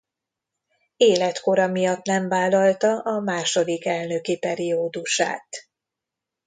Életkora miatt nem vállalta a második elnöki periódusát.